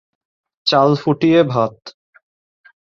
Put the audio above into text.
চাল ফুটিয়ে ভাত।